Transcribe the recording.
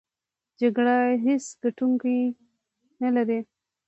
جګړه هېڅ ګټوونکی نلري!